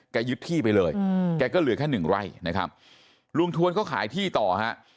แกยึดที่ไปเลยแกก็เหลือแค่๑ไร่นะครับลุงทวนก็ขายที่ต่อครับ